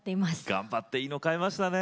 頑張っていいの買いましたね！